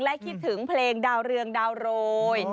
และคิดถึงเพลงดาวเรืองดาวโรย